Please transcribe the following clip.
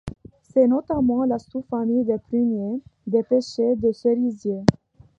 C'est notamment la sous-famille des pruniers, des pêchers, des cerisiers...